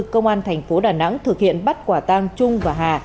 công an tp đà nẵng thực hiện bắt quả tang trung và hà